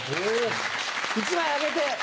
１枚あげて。